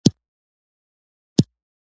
هغه د اغزيو پر ځای ګلان وکرل.